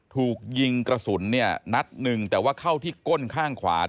ถูกยิงกระสุนนัด๑แต่ว่าเข้าที่กล้นข้างขวา